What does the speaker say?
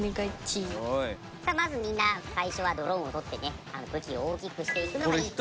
まずみんな最初はドローンを取って武器を大きくしていくのがいいッチ。